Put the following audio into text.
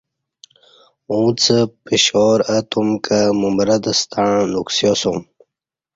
اوݩڅ پشاوراہ تم کہ ممرت ستݩع نکسیاسوم